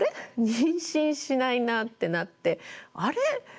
妊娠しないなってなってあれ？